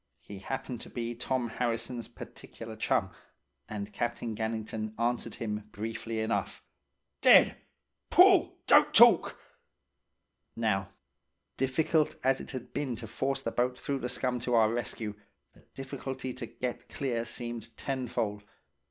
He happened to be Tom Harrison's particular chum, and Captain Gannington answered him briefly enough: "'Dead! Pull! Don't talk!" "Now, difficult as it had been to force the boat through the scum to our rescue, the difficulty to get clear seemed tenfold.